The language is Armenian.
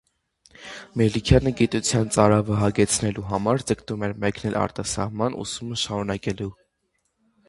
Մելիքյանը գիտության ծարավը հագեցնելու համար ձգտում էր մեկնել արտասահման ուսումը շարունակելու։